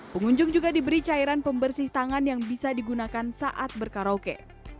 pengunjung juga diberi cairan pembersih tangan yang bisa digunakan saat berkaraoke